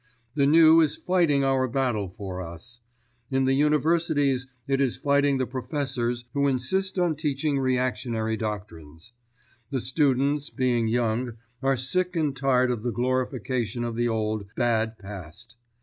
The new is fighting our battle for us. In the universities it is fighting the professors who insist on teaching reactionary doctrines. The students being young, are sick and tired of the glorification of the old, bad past.